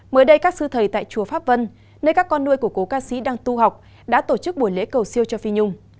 mới đây các sư thầy tại chùa pháp vân nơi các con nuôi của cố ca sĩ đang tu học đã tổ chức buổi lễ cầu siêu cho phi nhung